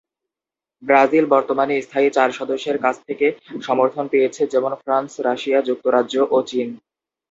Brazil বর্তমান স্থায়ী চার সদস্যের কাছ থেকে সমর্থন পেয়েছে, যেমন ফ্রান্স, রাশিয়া, যুক্তরাজ্য ও চীন।